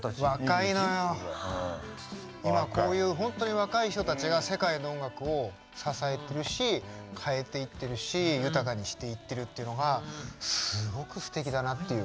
今こういう本当に若い人たちが世界の音楽を支えているし変えていっているし豊かにしていっているというのがすごくすてきだなっていう。